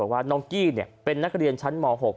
ว่าน้องกี้เป็นนักเรียนชั้นม๖